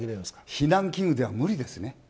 避難器具では無理ですね。